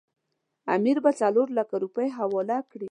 امیر به څلورلکه روپۍ حواله کړي.